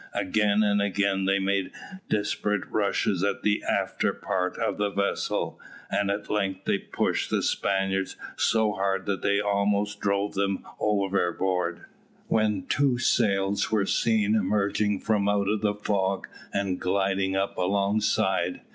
Again and again they made desperate rushes at the afterpart of the vessel, and at length they pushed the Spaniards so hard that they almost drove them overboard, when two sails were seen emerging from out of the fog and gliding up alongside.